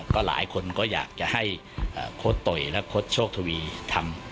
ก็หลายคนก็อยากจะให้โค้ดโตยและโค้ชโชคทวีทำ